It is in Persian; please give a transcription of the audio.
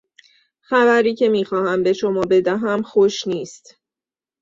خبری که میخواهم به شما بدهم خوش نیست.